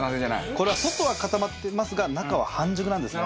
これは外は固まっていますが中は半熟なんですね。